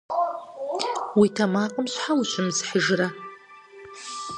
Уи тэмакъым щхьэ ущымысхьыжрэ?